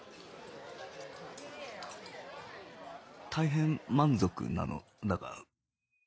大変満足なのだが